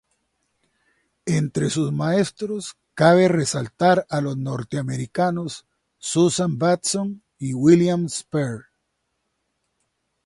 Entre sus maestros cabe resaltar a los norteamericanos Susan Batson y William Esper.